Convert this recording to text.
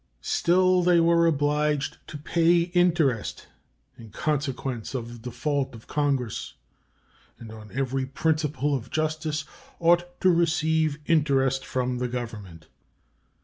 Still, they were obliged to pay interest in consequence of the default of Congress, and on every principle of justice ought to receive interest from the Government.